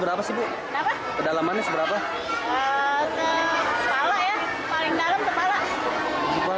owana dari ke forbid mercy ckp butuh sayur